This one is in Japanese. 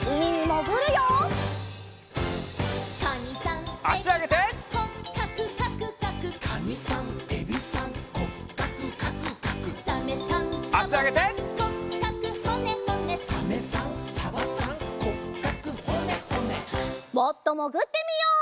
もっともぐってみよう。